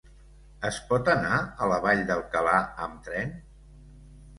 Es pot anar a la Vall d'Alcalà amb tren?